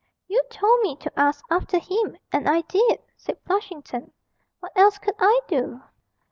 'You told me to ask after him, and I did,' said Flushington; 'what else could I do?'